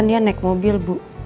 padahal kan dia naik mobil bu